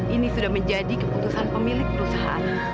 ini sudah menjadi keputusan pemilik perusahaan